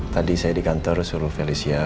tadi saya di kantor suruh felicia